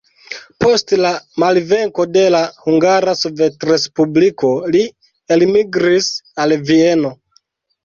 Post la malvenko de la Hungara Sovetrespubliko, li elmigris al Vieno.